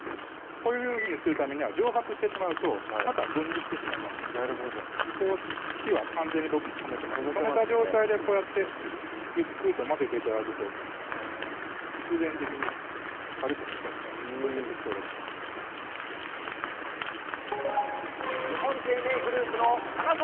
こういうふうにするためには蒸発してしまうとまた分離してしまいますのでなるほど少し火は完全に僕も止めてます止めた状態でこうやってゆっくりと混ぜて頂くと必然的に軽く乳化しますのでこれで結構だと思いますではパスタ